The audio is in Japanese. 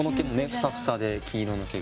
フサフサで黄色の毛が。